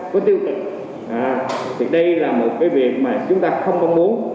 có tiêu cực thì đây là một cái việc mà chúng ta không không muốn